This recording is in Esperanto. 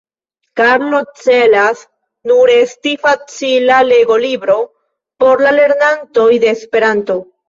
Karlo celas nur esti facila legolibro por la lernantoj de Esperanto.